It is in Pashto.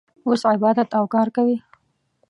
اوس عبادت او کار کوي.